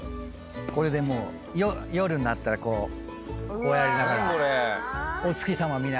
これでもう夜になったらこうやりながら。